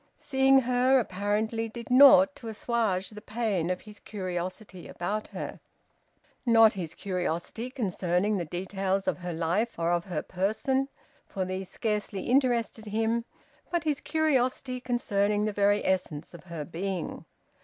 Seeing her apparently did naught to assuage the pain of his curiosity about her not his curiosity concerning the details of her life and of her person, for these scarcely interested him, but his curiosity concerning the very essence of her being.